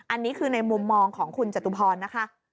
อันนี้คือในมุมมองของคุณจตุพรนะคะ